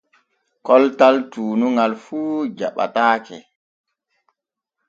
Koltal tuunuŋal fu jaɓataake.